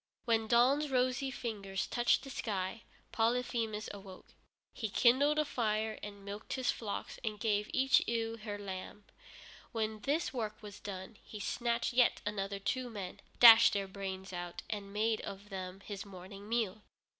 When dawn's rosy fingers touched the sky, Polyphemus awoke. He kindled a fire, and milked his flocks, and gave each ewe her lamb. When this work was done he snatched yet other two men, dashed their brains out, and made of them his morning meal.